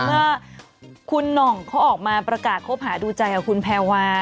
เมื่อคุณหน่องเขาออกมาประกาศคบหาดูใจกับคุณแพรวา